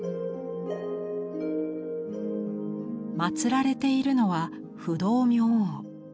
祀られているのは不動明王。